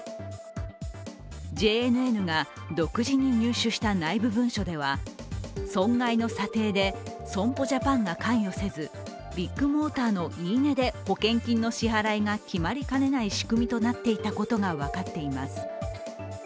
ＪＮＮが独自に入手した内部文書では損害の査定で損保ジャパンが関与せずビッグモーターの言い値で保険金の支払いが決まりかねない仕組みとなっていたことが分かっています。